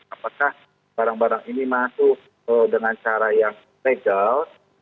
apakah barang barang ini masuk dengan cara yang legal